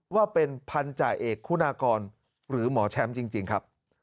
ว่าเป็นพันธาเอกคุณากรหรือหมอแชมป์จริงครับ